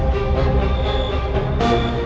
sang penyihir mengunci rapunzel